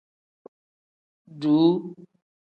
Duuu.